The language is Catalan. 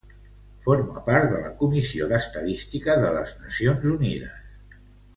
Forma part de la Comissió d'Estadística de les Nacions Unides.